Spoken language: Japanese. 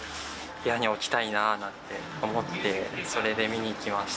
部屋に置きたいなーなんて思って、それで見に来ました。